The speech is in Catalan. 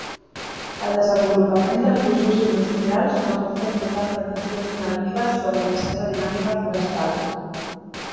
El desenvolupament dels usos industrials no pot comportar afectacions negatives sobre la seva dinàmica forestal.